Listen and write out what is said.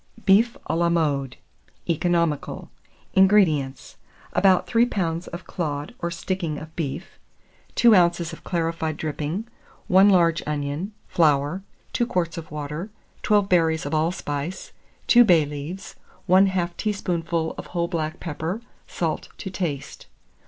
BEEF A LA MODE. (Economical.) 601. INGREDIENTS. About 3 lbs. of clod or sticking of beef, 2 oz. of clarified dripping, 1 large onion, flour, 2 quarts of water, 12 berries of allspice, 2 bay leaves, 1/2 teaspoonful of whole black pepper, salt to taste.